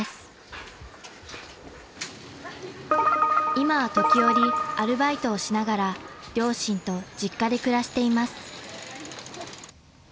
［今は時折アルバイトをしながら両親と実家で暮らしています］